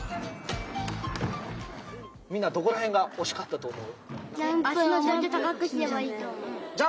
みんなどこらへんがおしかったと思う？